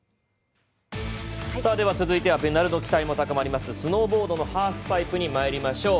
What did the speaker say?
では続いてはメダルの期待も高まるスノーボードのハーフパイプに参ります。